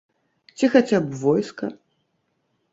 Ці хаця б войска?